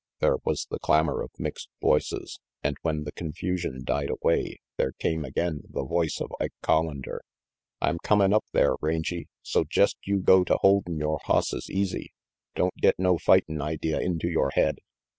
There was the clamor of mixed voices, and when the confusion died away, there came again the voice of Ike Collander. "I'm comin' up there, Rangy, so jest you go to holdin' yore hosses easy. Don't get no fightin' idea into yore head."